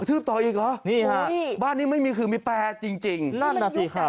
ทืบต่ออีกเหรอนี่ฮะบ้านนี้ไม่มีคือมีแปรจริงจริงนั่นน่ะสิครับ